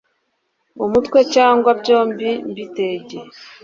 umutwe cyangwa byombi mbitege